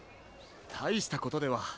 たいしたことでは。